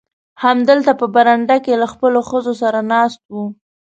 همدلته په برنډه کې له خپلو ښځو سره ناست و.